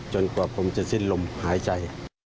จนกว่าผมจะเสียดลมหายใจ